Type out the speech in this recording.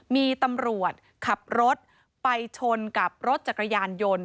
มีตำรวจขับรถไปชนกับรถจักรยานยนต์